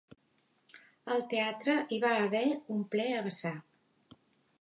Al teatre hi va haver un ple a vessar.